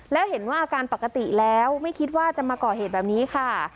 แล้วเห็นว่าอาการปกติแล้วไม่คิดว่าจะมาก่อเหตุแบบนี้ค่ะ